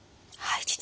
はい。